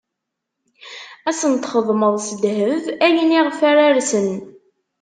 Ad sen-txedmeḍ s ddheb ayen iɣef ara rsen.